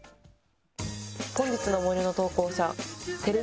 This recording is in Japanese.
本日の森の投稿者テレビ